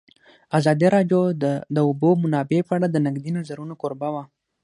ازادي راډیو د د اوبو منابع په اړه د نقدي نظرونو کوربه وه.